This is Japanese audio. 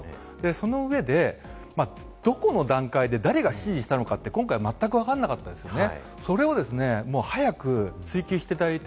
その上でどこの段階で誰が指示したのか、今回まったくわからなかったですよね。